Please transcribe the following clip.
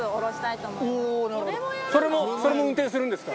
それも運転するんですか？